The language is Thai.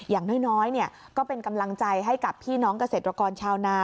อย่างน้อยก็เป็นกำลังใจให้กับพี่น้องเกษตรกรชาวนา